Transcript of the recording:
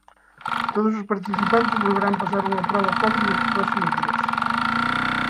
Todos os participantes volverán pasar unha proba covid nos próximos días.